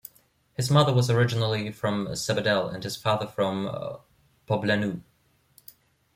His mother was originally from Sabadell and his father from Poblenou.